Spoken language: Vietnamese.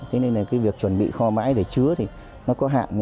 thế nên việc chuẩn bị kho bãi để chứa thì nó có hạn